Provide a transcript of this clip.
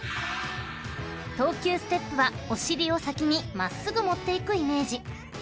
［投球ステップはお尻を先に真っすぐ持っていくイメージ］